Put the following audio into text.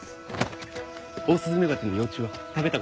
オオスズメバチの幼虫は食べた事ある？